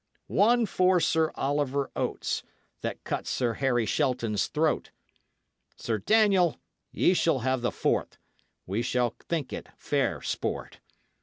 One for Sir Oliver Oates, That cut Sir Harry Shelton's throat. Sir Daniel, ye shull have the fourt; We shall think it fair sport.